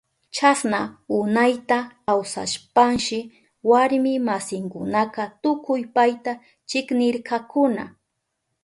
Chasna unayta kawsashpanshi warmi masinkunaka tukuy payta chiknirkakuna.